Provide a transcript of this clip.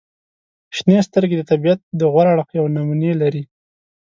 • شنې سترګې د طبیعت د غوره اړخ یوه نمونې لري.